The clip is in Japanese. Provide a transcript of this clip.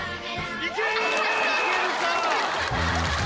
いけるか。